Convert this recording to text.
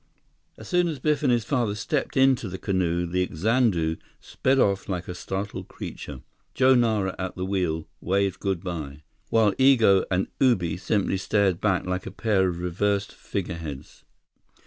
As soon as Biff and his father stepped into the canoe the Xanadu sped off like a startled creature. Joe Nara at the wheel, waved good by, while Igo and Ubi simply stared back like a pair of reversed figureheads.